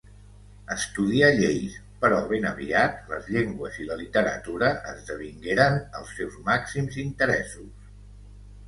Estudià lleis, però ben aviat les llengües i la literatura esdevingueren els seus màxims interessos.